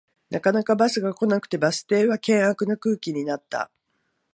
なかなかバスが来なくてバス停は険悪な空気になった